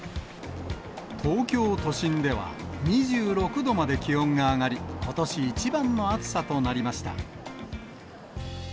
東京都心では２６度まで気温が上がり、ことし一番の暑さとなりました。